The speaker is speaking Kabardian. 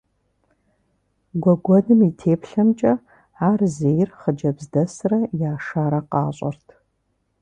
Гуэгуэным и теплъэмкӏэ, ар зейр хъыджэбз дэсрэ яшарэ къащӏэрт.